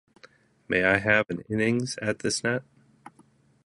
May I have an innings at this net?